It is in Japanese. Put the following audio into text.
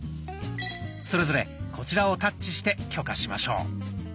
それぞれこちらをタッチして許可しましょう。